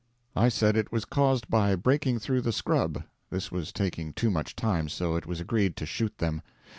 I said it was caused by breaking through the scrub. This was taking too much time, so it was agreed to shoot them.